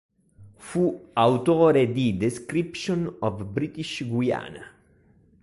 Fu autore di "Description of British Guiana".